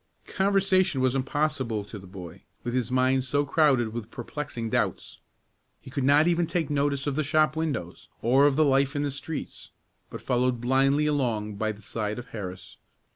Conversation was impossible to the boy, with his mind so crowded with perplexing doubts. He could not even take notice of the shop windows, or of the life in the streets, but followed blindly along by the side of Harris.